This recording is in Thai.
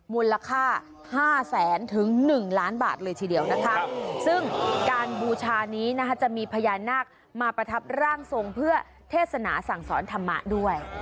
มูลค่า๕แสนถึง๑ล้านบาทเลยทีเดียวนะคะซึ่งการบูชานี้นะคะจะมีพญานาคมาประทับร่างทรงเพื่อเทศนาสั่งสอนธรรมะด้วย